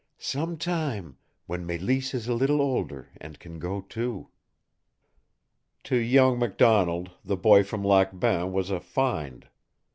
"Some time, when Mélisse is a little older, and can go too." To young MacDonald, the boy from Lac Bain was a "find."